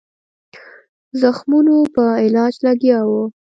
زخمونو په علاج لګیا وو.